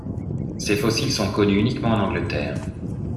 Ses fossiles sont connus uniquement en Angleterre.